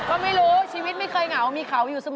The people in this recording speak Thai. ก็ไม่รู้ชีวิตไม่เคยเหงามีเขาอยู่เสมอ